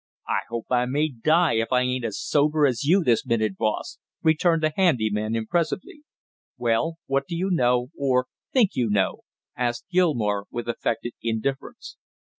"I hope I may die if I ain't as sober as you this minute, boss!" returned the handy man impressively. "Well, what do you know or think you know?" asked Gilmore with affected indifference.